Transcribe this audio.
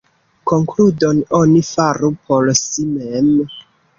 Konkludon oni faru por si mem.